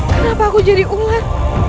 kenapa aku jadi ular